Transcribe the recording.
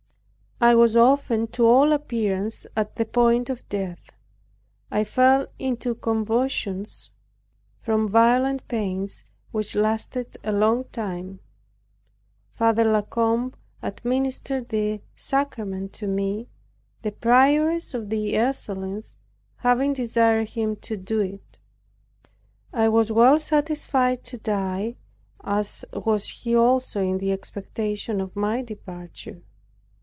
I was often to all appearance at the point of death. I fell into convulsions from violent pains which lasted a long time with violence. Father La Combe administered the sacrament to me, the Prioress of the Ursulines having desired him to do it. I was well satisfied to die, as was he also in the expectation of my departure.